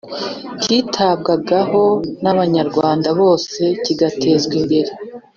kitabwagaho n’Abanyarwanda bose, kigatezwa imbere